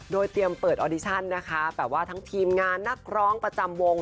โดยเตรียมเปิดออดิชั่นนะคะแบบว่าทั้งทีมงานนักร้องประจำวง